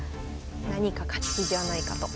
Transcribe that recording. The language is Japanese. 何か勝ち筋はないかと。